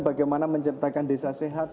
bagaimana menciptakan desa sehat